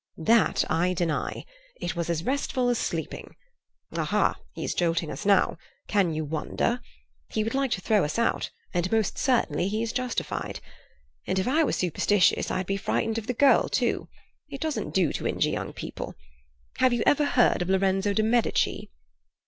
"That I deny. It was as restful as sleeping. Aha! he is jolting us now. Can you wonder? He would like to throw us out, and most certainly he is justified. And if I were superstitious I'd be frightened of the girl, too. It doesn't do to injure young people. Have you ever heard of Lorenzo de Medici?"